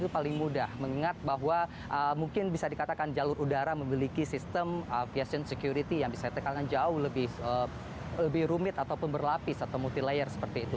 paling mudah mengingat bahwa mungkin bisa dikatakan jalur udara memiliki sistem aviation security yang bisa dikatakan jauh lebih rumit ataupun berlapis atau multi layer seperti itu